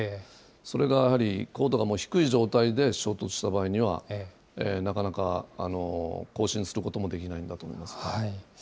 それがやはり高度がもう低い状態で衝突した場合には、なかなか交信することもできないんだと思います。